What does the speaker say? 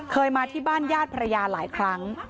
มาที่บ้านญาติภรรยาหลายครั้ง